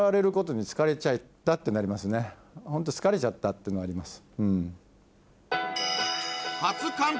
っていうのはあります。